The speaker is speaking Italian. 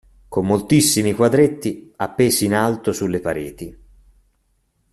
Con moltissimi quadretti appesi in alto sulle pareti.